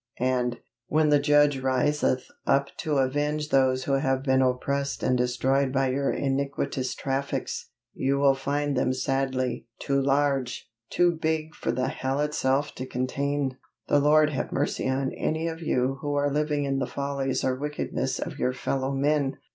and, when the Judge riseth up to avenge those who have been oppressed and destroyed by your iniquitous traffics, you will find them sadly TOO LARGE, TOO BIG FOR THE HELL ITSELF TO CONTAIN." The Lord have mercy on any of you who are living on the follies or wickedness of your fellow men.